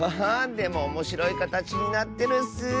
でもおもしろいかたちになってるッス！